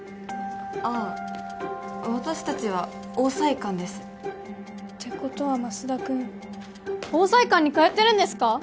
ああ私達は桜彩館ですてことはマスダ君桜彩館に通ってるんですか？